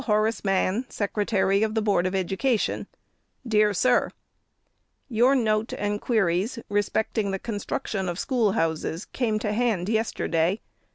HORACE MANN, Secretary of the Board of Education : DEAR SIR, — Your note and queries, respecting the construction of schoolhouses, came to hand yesterday.